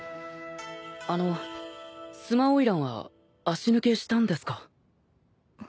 あの須磨花魁は足抜けしたんですか？